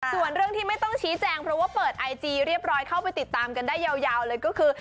ส่วนเรื่องที่ไม่ต้องชี้แจงเพราะว่าเปิดไอจีเรียบร้อยเข้าไปติดตามกันได้ยาวเลยก็คือ